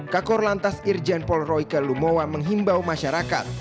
kakor lantas irjen pol royke lumowa menghimbau masyarakat